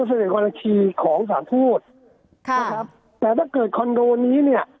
ก็จะเป็นกรณีของสถานทูตแต่ถ้าเกิดคอนโดนนี้เนี่ย